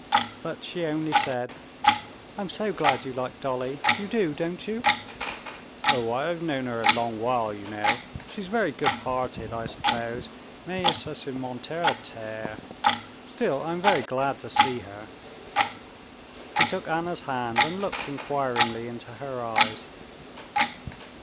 But she only said: "I am so glad you like Dolly. You do, don't you?" "Oh, I've known her a long while, you know. She's very good hearted, I suppose, mais excessivement terre à terre. Still, I'm very glad to see her." He took Anna's hand and looked inquiringly into her eyes.